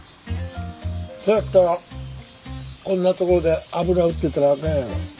そうやったらこんな所で油売ってたらあかんやろ。